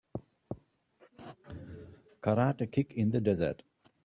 karate kick in the desert